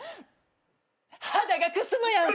肌がくすむやん。